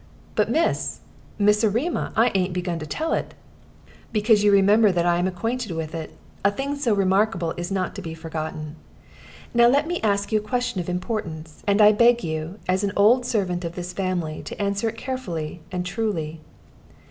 "But, Miss Miss Erma, I ain't begun to tell it." "Because you remember that I am acquainted with it. A thing so remarkable is not to be forgotten. Now let me ask you a question of importance; and I beg you, as an old servant of this family, to answer it carefully and truly.